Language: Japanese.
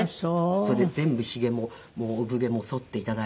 それで全部ヒゲも産毛も剃って頂いて。